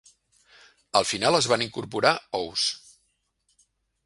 Al final es van incorporar ous.